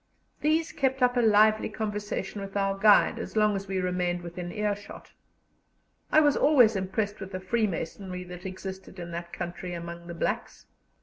These kept up a lively conversation with our guide as long as we remained within earshot. I was always impressed with the freemasonry that existed in that country among the blacks.